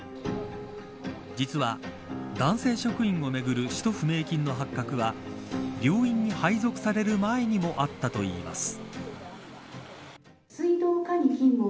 実は男性職員をめぐる使途不明金の発覚は病院に配属される前にもあったといいます。